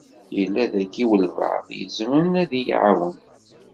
Yella daki walebɛaḍ i izemren ad yi-iɛawen?